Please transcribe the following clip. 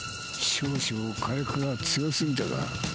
少々、火薬が強すぎたか。